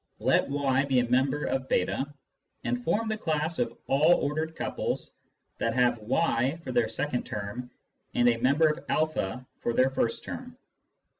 Let y be a member of j8, and form the class of all ordered couples that have y for their second term and a member of a for their first term.